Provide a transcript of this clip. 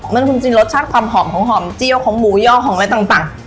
มันจริงรสชาติความหอมของหอมเจียวของหมูย่อของอะไรต่าง